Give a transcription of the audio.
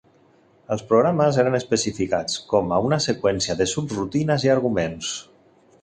Els programes eren especificats com a una seqüència de subrutines i arguments.